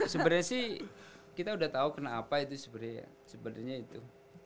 sebenarnya sih kita udah tahu kenapa itu sebenarnya itu